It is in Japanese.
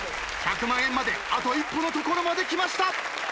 １００万円まであと一歩のところまできました。